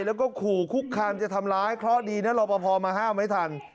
แล้วก็ขู่คุกคามจะทำร้ายเพราะดีนะรอปภมาห้ามไว้ทัน